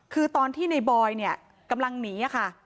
คือตอนที่ในบอยเนี่ยกำลังหนีค่ะ